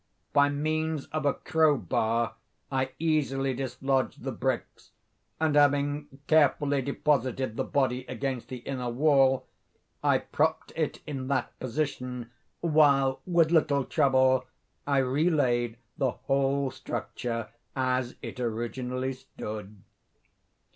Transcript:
By means of a crow bar I easily dislodged the bricks, and, having carefully deposited the body against the inner wall, I propped it in that position, while, with little trouble, I re laid the whole structure as it originally stood.